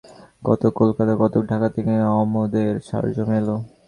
কতক কলকাতা, কতক ঢাকা থেকে আমোদের সরঞ্জাম এল।